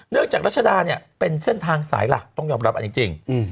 จากรัชดาเนี่ยเป็นเส้นทางสายหลักต้องยอมรับเอาจริง